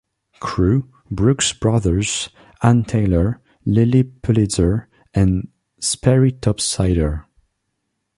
Crew, Brooks Brothers, Ann Taylor, Lilly Pulitzer, and Sperry Top-Sider.